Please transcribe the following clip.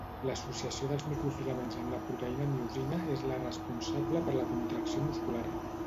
L'associació dels microfilaments amb la proteïna miosina és la responsable per la contracció muscular.